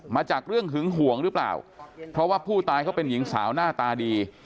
มาจากเรื่องหึงห่วงหรือเปล่าเพราะว่าผู้ตายเขาเป็นหญิงสาวหน้าตาดี